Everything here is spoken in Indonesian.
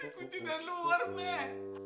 kucingnya luar be